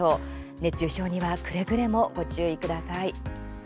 熱中症にはくれぐれもご注意ください。